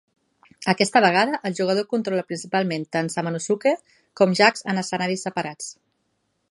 Aquesta vegada, el jugador controla principalment tant Samanosuke com Jacques en escenaris separats.